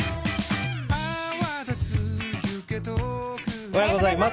おはようございます。